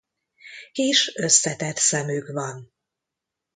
Kis összetett szemük van.